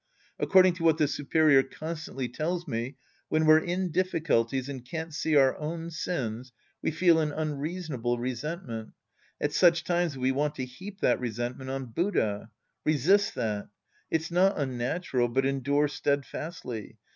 According to what the superior constantly tells me, when we're in difficulties and can't see our own sins, we feel an unreasonable resentment. At such times we want to heap that resentment on Buddha. Resist that. It's not unnatural, but endure steadfastly.